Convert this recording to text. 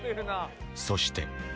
そして